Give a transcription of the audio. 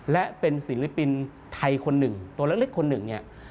และเป็นศิลปินไทยคนหนึ่งตัวเล็กคนหนึ่งเนี่ย